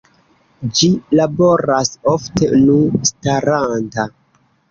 Ĝi laboras ofte nu staranta.